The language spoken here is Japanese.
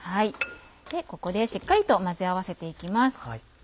ここでしっかりと混ぜ合わせて行きます。